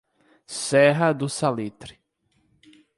Serra do Salitre